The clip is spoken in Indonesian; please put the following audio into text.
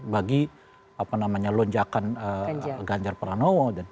bagi apa namanya lonjakan ganjar pranowo